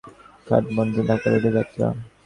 আজ শুরু হলো তাদের ঢাকা কাঠমান্ডু ঢাকা রুটে যাত্রা।